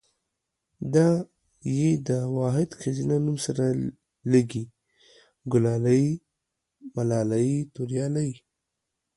دا ۍ دا واحد ښځينه نوم سره لګي، ګلالۍ ملالۍ توريالۍ